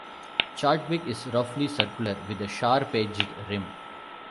Chadwick is roughly circular with a sharp-edged rim.